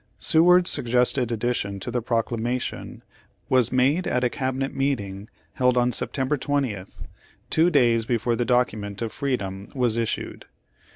Seward's suggested addition to the Proclama tion was made at a cabinet meeting held on Sep tember 20th, two days before the document of freedom was issued.